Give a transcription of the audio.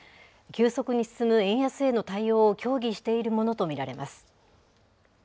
急速に進む円安への対応を協議しているものと見られます。